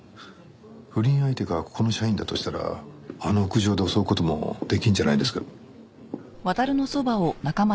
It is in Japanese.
不倫相手がここの社員だとしたらあの屋上で襲う事もできるんじゃないですか。